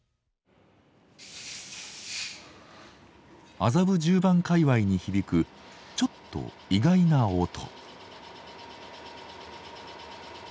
麻布十番界隈に響くちょっと意外な音。